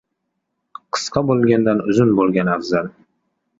• Qisqa bo‘lgandan uzun bo‘lgan afzal.